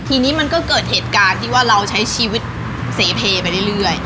ทีนี้มันก็เกิดเหตุการณ์ที่ว่าเราใช้ชีวิตเสเพไปเรื่อย